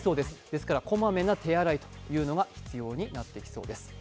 ですから小まめな手洗いが必要になってきそうです。